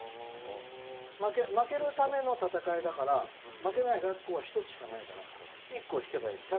負けるための戦いだから負けない学校は１つしかないから１校引けばいいの。